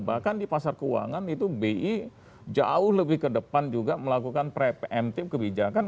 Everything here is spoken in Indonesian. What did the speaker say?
bahkan di pasar keuangan itu bi jauh lebih ke depan juga melakukan preventif kebijakan